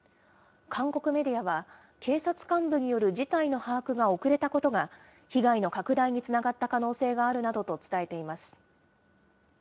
韓国メディアは、警察幹部による事態の把握が遅れたことが、被害の拡大につながった可能性があるなどと伝えています。